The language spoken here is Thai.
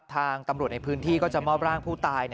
ทางตำรวจในพื้นที่ก็จะมอบร่างผู้ตาย